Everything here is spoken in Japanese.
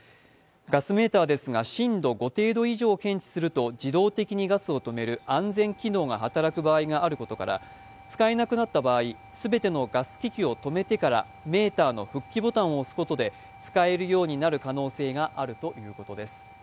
ガスメーターすが、震度５程度以上を検知すると自動的にガスを止める安全機能が働く場合があることから使えなくなった場合、すべてのガス機器を止めてからメーターの復帰ボタンを押すことで使えるようになるとのことです。